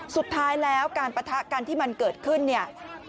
สุดท้ายแล้วการปะทะกันที่มันเกิดขึ้นเนี่ย